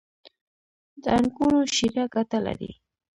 • د انګورو شیره ګټه لري.